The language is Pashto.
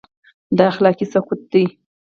دا اخلاقي سقوط دی.